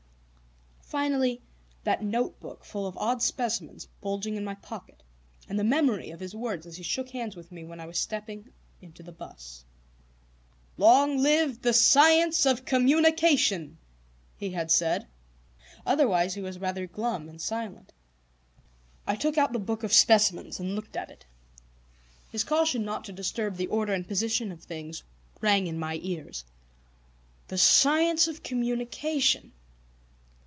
Finally, that notebook full of odd specimens bulging in my pocket. And the memory of his words as he shook hands with me when I was stepping into the bus: "Long live the science of communication!" he had said. Otherwise, he was rather glum and silent. I took out the book of specimens and looked at it. His caution not to disturb the order and position of things rang in my ears. The Science of Communication!